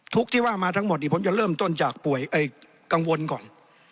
ทุกข์ที่ว่ามาทั้งหมดเนี่ยผมจะเริ่มต้นจากกังวลก่อน